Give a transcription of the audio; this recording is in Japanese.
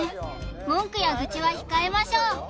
「文句や愚痴は控えましょう」